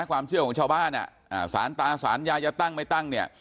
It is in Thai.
ความเชื่อของชาวบ้านสารตาสารยายจะตั้งไม่ตั้งเนี่ย